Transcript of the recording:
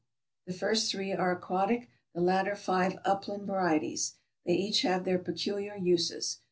The first three are aquatic, the latter five upland varieties. They each have their peculiar uses.